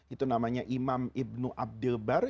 itu namanya imam ibn abdul bar